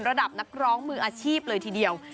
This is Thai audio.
ระดับนักร้องมืออาชีพเลยทีเดียว